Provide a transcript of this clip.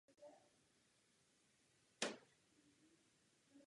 Uznání se mu dostalo i v dalších městech včetně Prahy.